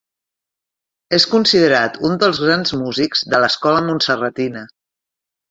És considerat un dels grans músics de l'escola montserratina.